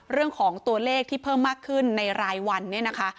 เรื่องของตัวเลขที่เพิ่มมากขึ้นในรายวันเนี่ยนะคะ